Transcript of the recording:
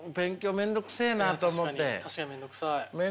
面倒くせえなと思って。